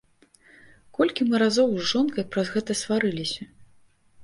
Колькі мы разоў з жонкай праз гэта сварыліся!